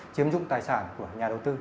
chiếm dụng tài sản của nhà đầu tư